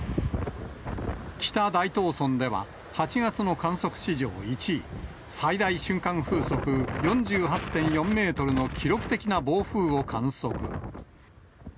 北大東村では、８月の観測史上１位、最大瞬間風速４８．４メートルの記録的な暴風を観測。